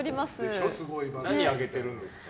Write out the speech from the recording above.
何を上げてるんですか？